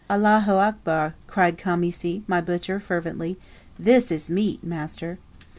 "Allah ho, akhbar!" cried Khamisi, my butcher, fervently. "This is meat, master!"